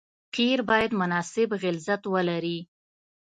قیر باید مناسب غلظت ولري